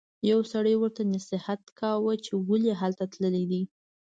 یو سړي ورته نصیحت کاوه چې ولې هلته تللی دی.